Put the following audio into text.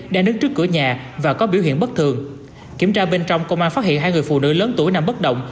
đang đứng trước cửa nhà và có biểu hiện bất thường kiểm tra bên trong công an phát hiện hai người phụ nữ lớn tuổi nằm bất động